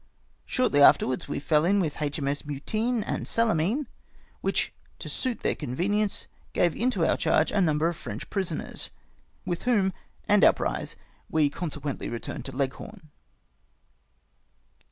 Shortly afterwards we fell m with H.M.S. ships Mittine and Salamiiie, which, to suit their convenience, gave into our charge a number of French prisoners, with whom and our prize we consequently returned to Leghorn.